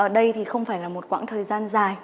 đây thì không phải là một quãng thời gian dài